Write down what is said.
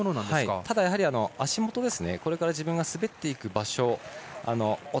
ただ、足元これから自分が滑っていく場所